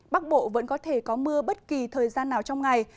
bắc bộ vẫn có thể có mưa bất kỳ thời gian nào trong ngày